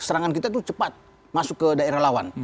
serangan kita itu cepat masuk ke daerah lawan